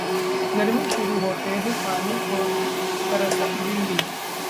गर्मी शुरू होते ही पानी को तरसती दिल्ली